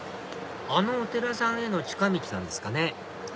あのお寺さんへの近道なんですかね